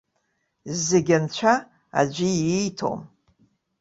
Зегьы анцәа аӡәы ииҭом.